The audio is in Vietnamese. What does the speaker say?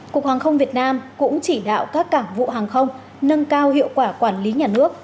cục hàng không việt nam cũng chỉ đạo các cảng vụ hàng không nâng cao hiệu quả quản lý nhà nước